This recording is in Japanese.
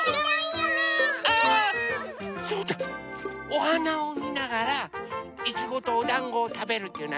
おはなをみながらいちごとおだんごをたべるっていうのはどう？